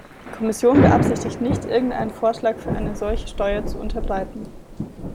Die Kommission beabsichtigt nicht, irgendeinen Vorschlag für eine solche Steuer zu unterbreiten.